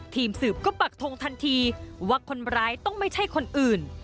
ทีมสืบก็ปักทงทันทีว่าคนร้ายต้องไม่ใช่คนอื่น